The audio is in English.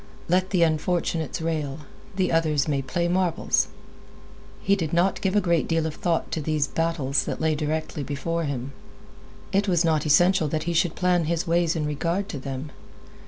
Let the unfortunates rail; the others may play marbles. He did not give a great deal of thought to these battles that lay directly before him. It was not essential that he should plan his ways in regard to them.